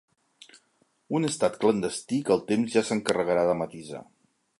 Un estat clandestí que el temps ja s'encarregarà de matisar.